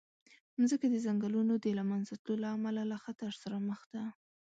مځکه د ځنګلونو د له منځه تلو له امله له خطر سره مخ ده.